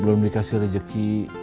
belum dikasih rezeki